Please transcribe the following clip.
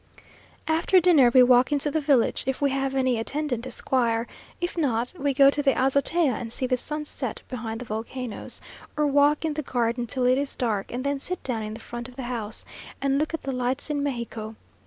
After dinner we walk into the village, if we have any attendant esquire; if not, we go to the azotea and see the sun set behind the volcanoes, or walk in the garden till it is dark, and then sit down in the front of the house, and look at the lights in Mexico.